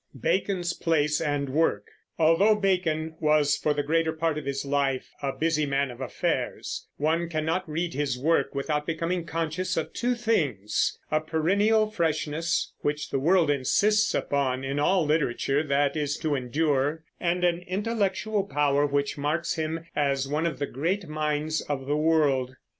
BACON'S PLACE AND WORK. Although Bacon was for the greater part of his life a busy man of affairs, one cannot read his work without becoming conscious of two things, a perennial freshness, which the world insists upon in all literature that is to endure, and an intellectual power which marks him as one of the great minds of the world.